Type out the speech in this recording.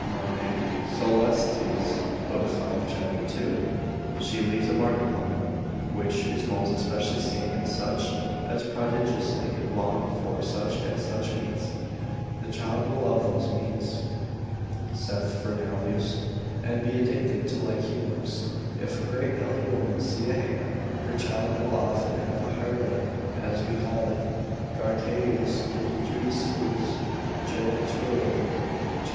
caelestis l. 5. c. 2, she leaves a mark upon it, which is most especially seen in such as prodigiously long for such and such meats, the child will love those meats, saith Fernelius, and be addicted to like humours: if a great bellied woman see a hare, her child will often have a harelip, as we call it. Garcaeus, de Judiciis geniturarum, cap.